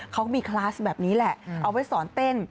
เขาก็มีคลาสแบบนี้แหละเอาไว้สอนเต้น